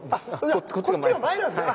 こっちが前なんですね。